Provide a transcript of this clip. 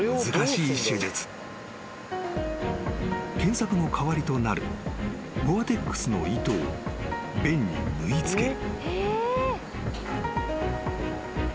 ［腱索の代わりとなるゴアテックスの糸を弁に縫い付ける］